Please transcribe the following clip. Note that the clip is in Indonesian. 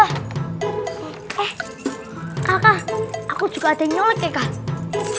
kakak aku juga ada yang ngelek ya kak